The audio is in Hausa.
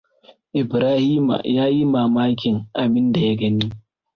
Ibrahima ya yi mamakin abinda ya gani.